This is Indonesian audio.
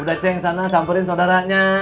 udah ceng sana samperin sodaranya